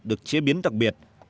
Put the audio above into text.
được chế biến đặc biệt